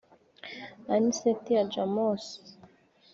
Anicet Adjamossi